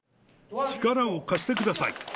力を貸してください。